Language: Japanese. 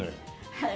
はい。